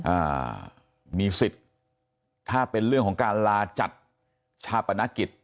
อ่ามีสิทธิ์ถ้าเป็นเรื่องของการลาจัดชาปนกิจ